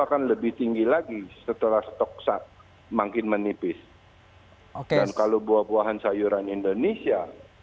akan lebih tinggi lagi setelah stok sak makin menipis dan kalau buah buahan sayuran indonesia